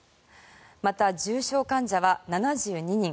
また、重症患者は７２人。